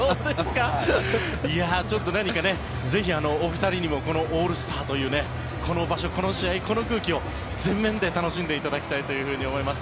ちょっとぜひお二人にもこのオールスターというこの場所、この試合、この空気を全面で楽しんでいただきたいと思います。